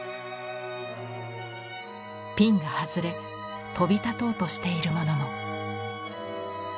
ピンが外れ飛び立とうとしているものも。